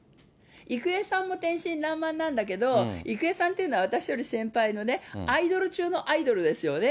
郁恵さんも天真らんまんなんだけど、郁恵さんというのは、私より先輩のね、アイドル中のアイドルですよね。